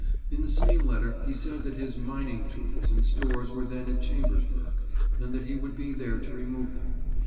In the same letter, he said that his " mining tools " and stores were then at Chambersburg, and that he would be there to remove them.